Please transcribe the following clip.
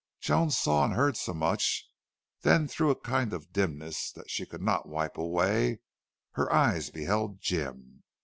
Joan saw and heard so much, then through a kind of dimness, that she could not wipe away, her eyes beheld Jim.